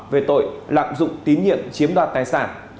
về tội lạm dụng tín nhiệm chiếm đoạt tài sản